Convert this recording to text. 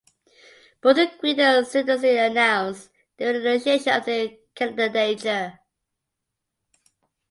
Both agreed and simultaneously announced their renunciation of their candidature.